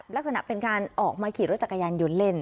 ลักษณะเป็นการออกมาขี่รถจักรยานยนต์เล่น